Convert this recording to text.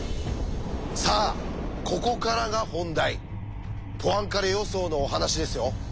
さあここからが本題ポアンカレ予想のお話ですよ。